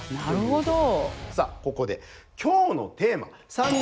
なるほど。